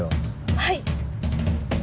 はい。